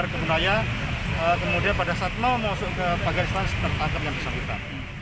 kemudian pada saat mau masuk ke pagar istana kita akan menangkap orang yang berusaha